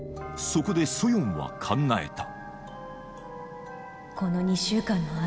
そこでソヨンは考えた